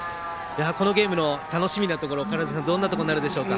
このゲームの楽しみなところはどんなところになるでしょうか。